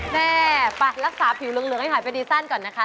แม่ไปรักษาผิวเหลืองให้หายไปดีสั้นก่อนนะคะ